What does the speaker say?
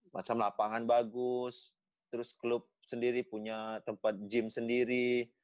macam lapangan bagus terus klub sendiri punya tempat gym sendiri